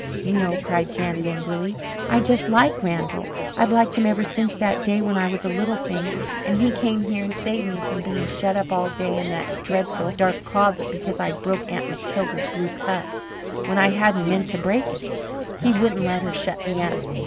"No," cried Janet angrily. "I just like Randall, I've liked him ever since that day when I was a little thing and he came here and saved me from being shut up all day in that dreadful dark closet because I broke Aunt Matilda's blue cup when I hadn't meant to break it. He wouldn't let her shut me up!